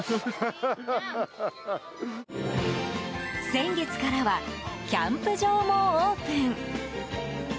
先月からはキャンプ場もオープン。